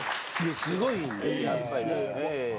すごいやっぱりね。